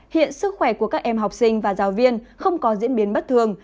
hiện sức khỏe của các em học sinh và giáo viên không có diễn biến bất thường